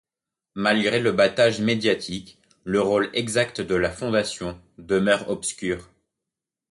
Malgré le battage médiatique, le rôle exact de la fondation demeure obscur.